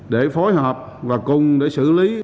để phối hợp và cùng để xử lý